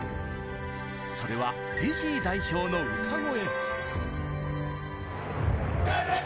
それは、フィジー代表の歌声。